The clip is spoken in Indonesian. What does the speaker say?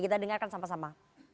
kita dengarkan sama sama